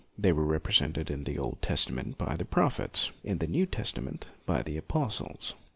They were represented in the Old Testa ment by the prophets, in the New Testa ment by the apostles.